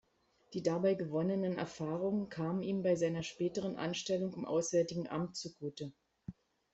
Die dabei gewonnenen Erfahrungen kamen ihm bei seiner späteren Anstellung im Auswärtigen Amt zugute.